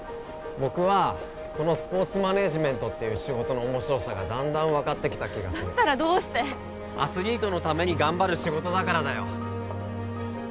僕はこのスポーツマネージメントっていう仕事の面白さがだんだん分かってきた気がするだったらどうしてアスリートのために頑張る仕事だからだよ